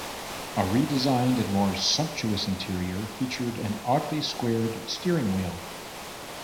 A redesigned and more sumptuous interior featured an oddly squared steering wheel.